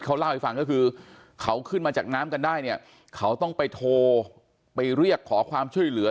เขาเล่าให้ฟังก็คือเขาขึ้นมาจากน้ำกันได้เนี่ยเขาต้องไปโทรไปเรียกขอความช่วยเหลือ